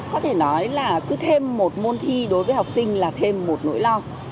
có thể nói là cứ thêm một môn thi đối với học sinh là thêm một nỗi lo